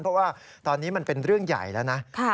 เพราะว่าตอนนี้มันเป็นเรื่องใหญ่แล้วนะ